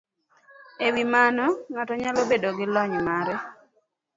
E wi mano, ng'ato nyalo bedo gi lony mar